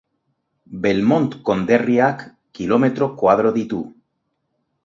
Belmont konderriak kilometro koadro ditu.